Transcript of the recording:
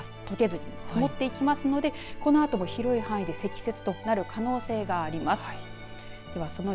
とけずに積もっていきますのでこの後も広い範囲で積雪となる可能性があります。